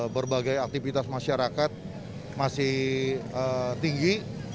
berbagai aktivitas masyarakat masih tinggi